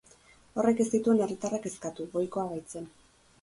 Horrek ez zituen herritarrak kezkatu, ohikoa baitzen.